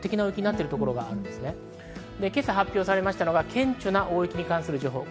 今朝発表されましたのが顕著な大雪に関する情報です。